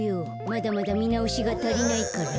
まだまだみなおしがたりないから。